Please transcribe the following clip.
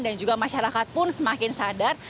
dan juga masyarakat pun semakin sadar